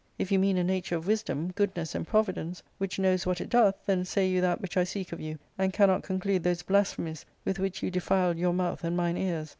If you mean a nature of wisdom, good ness, and providence, which knows what it doth, then say you that which I seek of you, and cannot conclude those blas phemies with which you defiled your mouth and mine ears.